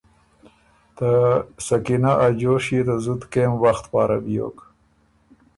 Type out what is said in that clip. ته سکینه ا جوش يې ته زُت کېم وخت پاره بیوک۔